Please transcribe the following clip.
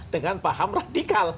dengan paham radikal